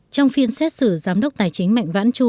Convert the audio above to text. trong phiên xét xử giám đốc tài chính mạnh vãn chu